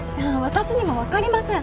私にもわかりません。